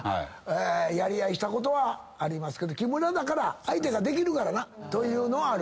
やり合いしたことはありますけど木村だから相手ができるからな。というのはある。